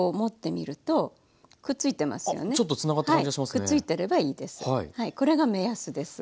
くっついてればいいです。